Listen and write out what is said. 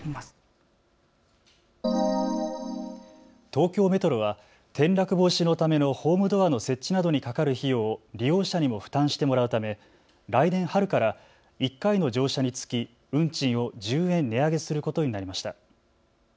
東京メトロは転落防止のためのホームドアの設置などにかかる費用を利用者にも負担してもらうため来年春から１回の乗車につき運賃を１０円値上げすることになりました。